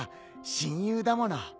親友だもの。